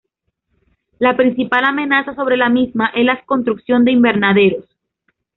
La principal amenaza sobre la misma es la construcción de invernaderos.